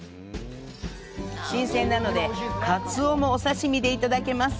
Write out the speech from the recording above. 新鮮なので、カツオもお刺身でいただけます。